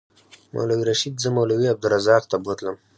مولوي رشید زه مولوي عبدالرزاق ته بوتلم.